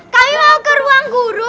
kami mau ke ruang guru